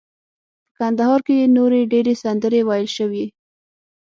په کندهار کې نورې ډیرې سندرې ویل شوي.